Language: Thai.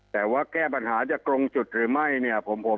แต่ว่าแก้ปัญหาจะตรงจุดหรือไม่เนี่ย